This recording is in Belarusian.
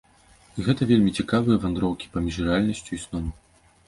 І гэта вельмі цікавыя вандроўкі паміж рэальнасцю і сном.